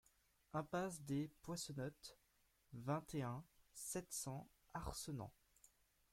Impasse des Poissenottes, vingt et un, sept cents Arcenant